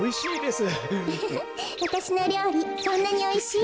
わたしのりょうりそんなにおいしい？